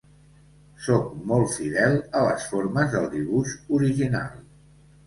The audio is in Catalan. Sóc molt fidel a les formes del dibuix original.